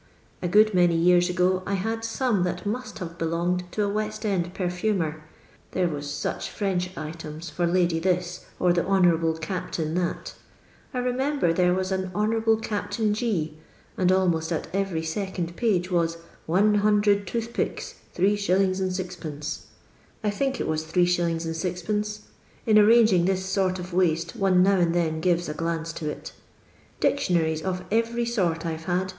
A go:id many years ago, I had some that must have li'"lon)»ed to a West £nd perfumer, there was such French items for Lady this, or the Honour aliie Captain that. I remember there was an Hon. Capt. G., and almost at every second page was *1U0 tooth picks, 8«. GU.' I think it was Zi*. 6d.; in arranging this sort of waste one now and then gives a glance to it Dictionaries of every sort, I 've had.